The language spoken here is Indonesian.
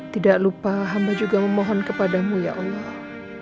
tidak lupa hamba juga memohon kepadamu ya allah